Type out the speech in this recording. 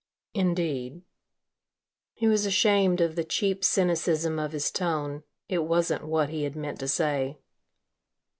"Indeed?" He was ashamed of the cheap cynicism of his tone. It wasn't what he had meant to say.